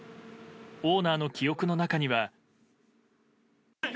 オーナーの記憶の中には。